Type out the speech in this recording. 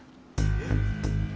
えっ？